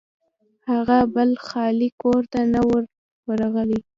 هغه بل خالي کور ته نه و ورغلی.